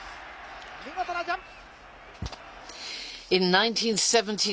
見事なジャンプ！